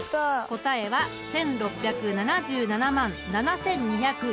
答えは１，６７７万７，２１６色。